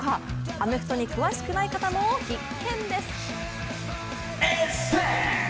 アメフトに詳しくない方も必見です。